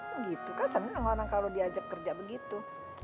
kan gitu kan seneng orang kalau diajak kerja begitu